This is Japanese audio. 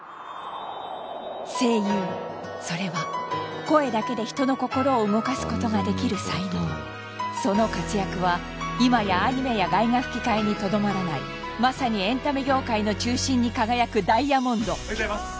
声優それは声だけで人の心を動かすことができる才能その活躍は今やアニメや外画吹き替えにとどまらないまさにエンタメ業界の中心に輝くダイヤモンド・おはようございます